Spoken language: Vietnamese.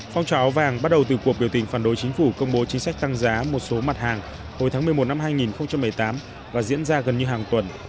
phong trào áo vàng bắt đầu từ cuộc biểu tình phản đối chính phủ công bố chính sách tăng giá một số mặt hàng hồi tháng một mươi một năm hai nghìn một mươi tám và diễn ra gần như hàng tuần